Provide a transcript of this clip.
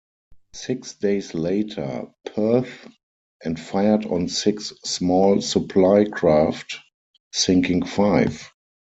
Six days later, "Perth" and fired on six small supply craft, sinking five.